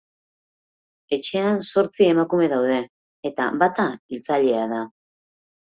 Etxean zortzi emakume daude eta bata hiltzailea da.